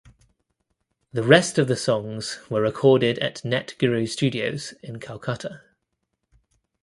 The rest of the songs ware recorded at Net Guru Studios in Kolkata.